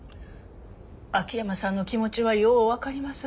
秋山さんの気持ちはよう分かります。